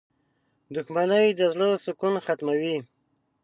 • دښمني د زړۀ سکون ختموي.